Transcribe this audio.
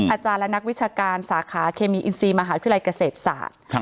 อาจารย์และนักวิชาการสาขาเคมีอินซีมหาวิทยาลัยเกษตรศาสตร์